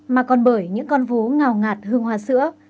mà còn bởi những con vú ngào ngạt hương hoa sữa